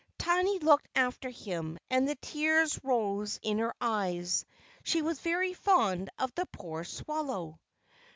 Tiny looked after him, and the tears rose in her eyes. She was very fond of the poor swallow.